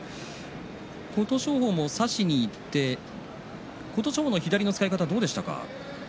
琴勝峰も差しにいって左の使い方はどうでしたか。